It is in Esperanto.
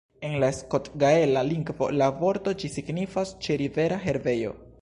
En la skot-gaela lingvo la vorto ĝi signifas "ĉe-rivera herbejo".